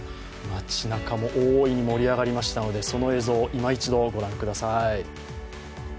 街なかも大いに盛り上がりましたのでその映像、いま一度ご覧ください。